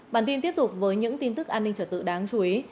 bản tin tiếp tục với những tin tức an ninh trở tự đáng chú ý